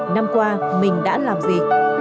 năm qua mình đã làm gì